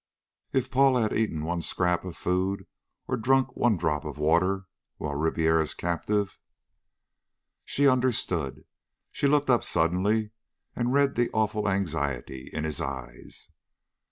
If Paula had eaten one scrap of food or drunk one drop of water while Ribiera's captive.... She understood. She looked up suddenly, and read the awful anxiety in his eyes.